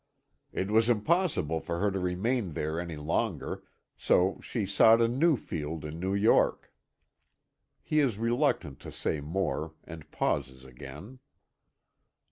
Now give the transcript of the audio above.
It was impossible for her to remain there any longer, so she sought a new field in New York." He is reluctant to say more, and pauses again.